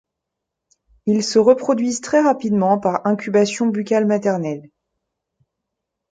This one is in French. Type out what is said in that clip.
Ils se reproduisent très rapidement par incubation buccal maternelle.